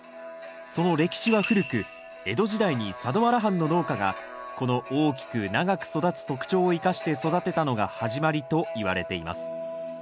その歴史は古く江戸時代に佐土原藩の農家がこの大きく長く育つ特徴を生かして育てたのが始まりといわれています。